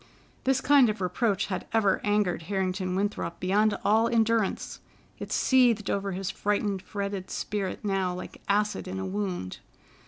This kind of reproach had ever angered Harrington Winthrop beyond all endurance. It seethed over his frightened, fretted spirit now like acid in a wound.